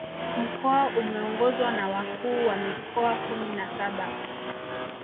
Mkoa umeongozwa na Wakuu wa Mikoa kumi na saba